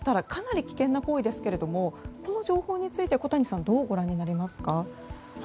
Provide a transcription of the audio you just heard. かなり危険な行為ですけどこの情報について、小谷さんどうご覧になりますか？